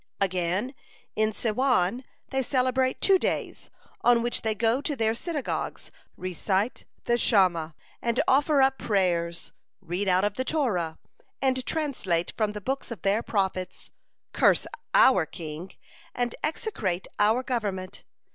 "Again, in Siwan, they celebrate two days, on which they go to their synagogues, recite the Shema, and offer up prayers, read out of the Torah, and translate from the books of their Prophets, curse our king, and execrate our government.